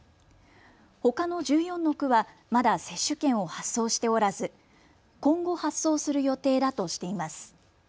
ほかの１４の区はまだ接種券を発送しておらず今後、発送する予定だとしています。